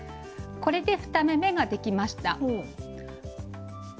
これで２目めができました。